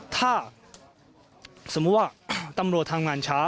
ถ้าสมมุติว่าตำรวจทำงานช้า